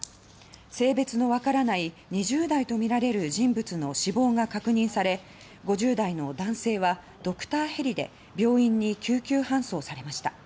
性別のわからない２０代とみられる人物の死亡が確認され５０代の男性はドクターヘリで病院に救急搬送されました。